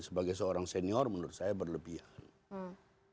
sebagai seorang senior menurut saya berlebihan